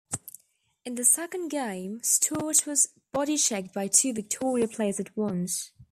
In the second game, Stewart was body checked by two Victoria players at once.